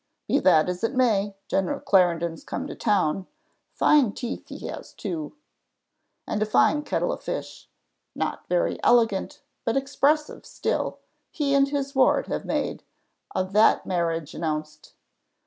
"Be that as it may, General Clarendon's come to town fine teeth he has too and a fine kettle of fish not very elegant, but expressive still he and his ward have made, of that marriage announced.